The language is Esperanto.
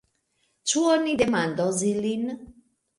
Ĉu oni demandos ilin?